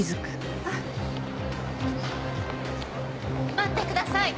待ってください。